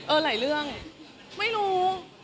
หลายเรื่องไม่รู้